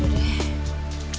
jadi kayak gini sih